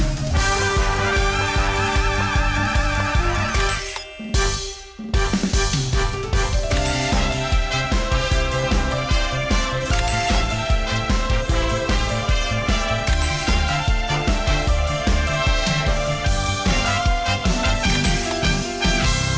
สุดท้ายของแม่บ้านประจันบาล